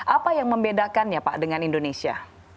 apa yang membedakannya pak dengan indonesia